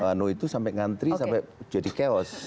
pulang sampai ngantri sampai jadi chaos